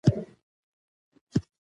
که څه هم، زه دې ته خوشحال یم.